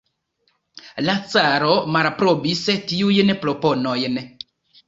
La caro malaprobis tiujn proponojn.